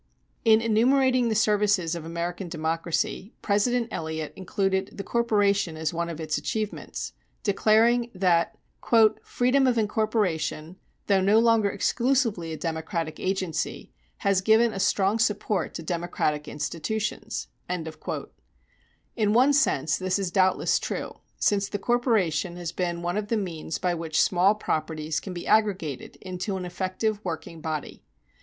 In enumerating the services of American democracy, President Eliot included the corporation as one of its achievements, declaring that "freedom of incorporation, though no longer exclusively a democratic agency, has given a strong support to democratic institutions." In one sense this is doubtless true, since the corporation has been one of the means by which small properties can be aggregated into an effective working body.